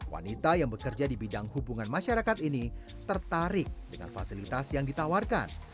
wanita yang bekerja di bidang hubungan masyarakat ini tertarik dengan fasilitas yang ditawarkan